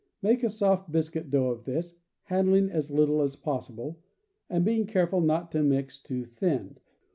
Make a soft biscuit dough of this, handling as little as possible, and being careful not to mix too thin.